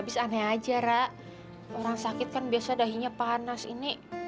gak ada aja ra orang sakit kan biasanya dahinya panas ini